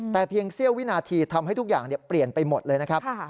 แต่เพียงเสี้ยววินาทีทำให้ทุกอย่างเปลี่ยนไปหมดเลยนะครับ